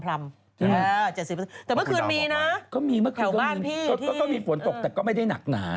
แต่เมื่อคืนมีนะแถวบ้านพี่อยู่ที่ก็มีเมื่อคืนก็มีมีฝนตกแต่ก็ไม่ได้หนักหนา